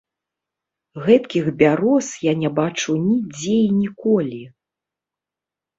Гэткіх бяроз я не бачыў нідзе і ніколі.